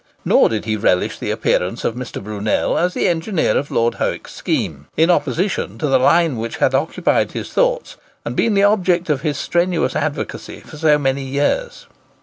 Nor did he relish the appearance of Mr. Brunel as the engineer of Lord Howick's scheme, in opposition to the line which had occupied his thoughts and been the object of his strenuous advocacy for so many years.